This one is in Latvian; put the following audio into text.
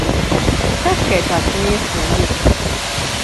Tas tikai tāds nieks vien ir!